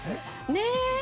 ねえ！